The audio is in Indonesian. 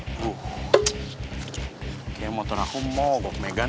kayaknya motor aku mogok megan